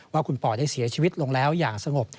ว่าคุณป่อได้เสียชีวิตลงแล้วอย่างสงบ